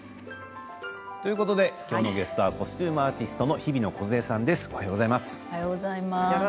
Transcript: ということで今日のゲストはコスチューム・アーティストのひびのこづえさんです。